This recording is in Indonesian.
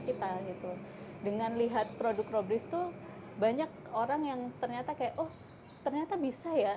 kita gitu dengan lihat produk robris tuh banyak orang yang ternyata kayak oh ternyata bisa ya